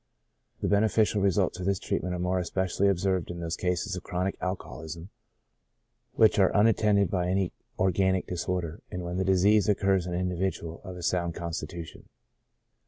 The beneficial results of this treatment are more especially observed in those cases of chronic alcoholism which are unattended by any organic disorder, and when the disease occurs in an individual of a sound constitution.